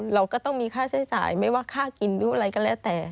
เราก็ต้องมีค่าใช้จ่ายไม่ว่าค่ากินหรืออะไรก็แล้วแต่